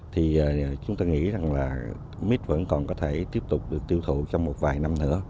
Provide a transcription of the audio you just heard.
thì chúng tôi nghĩ rằng là mít vẫn còn có thể tiếp tục được tiêu thụ trong một vài năm nữa